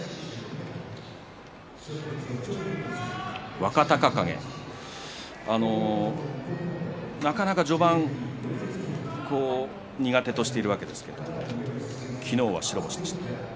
若隆景、なかなか序盤苦手としているわけですが昨日は白星でした。